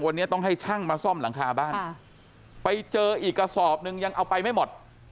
วันนี้ต้องให้ช่างมาซ่อมหลังคาบ้านไปเจออีกกระสอบหนึ่งยังเอาไปไม่หมด